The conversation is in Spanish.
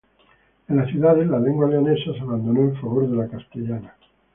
En las ciudades la lengua leonesa se abandonó en favor de la castellana.